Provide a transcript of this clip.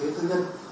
cơ sở y tế thân nhân